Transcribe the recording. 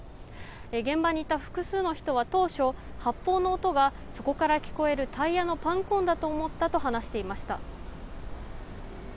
現場にいた複数の人は当初発砲の音がそこから聞こえるタイヤのパンク音だと思ったと話していました。